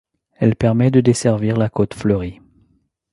Elle permet de desservir la Côte Fleurie.